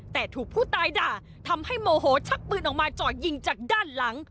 แต่ถูกผู้ตายด่าทำให้โมโหชักปืนออกมาเจาะยิงจากด้านหลัง